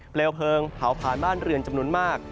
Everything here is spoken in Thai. เลวเพลิงเผาผ่านบ้านเรือนจำนวนมาก